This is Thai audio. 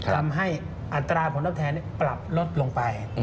ทำให้อัตรายของดับแทนปรับลดลงไป